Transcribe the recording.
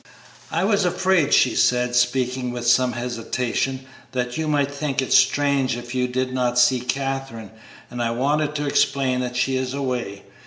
"I was afraid," she said, speaking with some hesitation, "that you might think it strange if you did not see Katherine, and I wanted to explain that she is away.